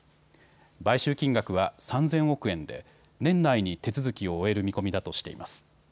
買収金額は３０００億円で年内に手続きを終える見込みだとしています。